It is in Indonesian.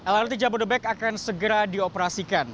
lrt jabodebek akan segera dioperasikan